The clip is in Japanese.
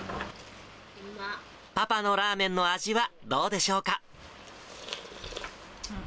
パパのラーメンの味はどうでしょうか。